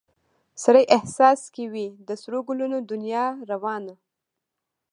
سړي احساس کې وي د سرو ګلو دنیا روانه